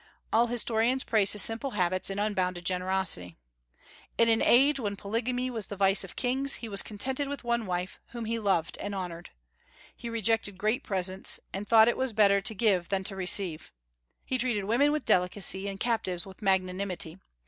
All historians praise his simple habits and unbounded generosity. In an age when polygamy was the vice of kings, he was contented with one wife, whom he loved and honored. He rejected great presents, and thought it was better to give than to receive. He treated women with delicacy and captives with magnanimity.